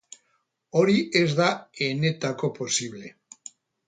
Hori ez da enetako posible.